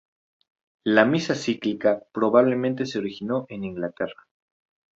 La misa cíclica probablemente se originó en Inglaterra.